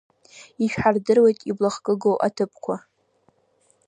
Ишәҳардыруеит иблахкыгоу аҭыԥқәа.